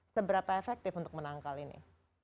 seberapa efektif untuk menangkal ini